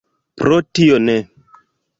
Pro tio ne.